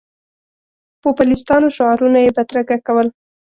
پوپلیستانو شعارونه یې بدرګه کول.